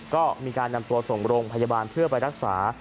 ก็มีการนำตัวส่งโรงพยาบาลเพื่อไปรักษา